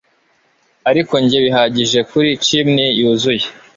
Ariko njye bihagije kuri chimney yuzuye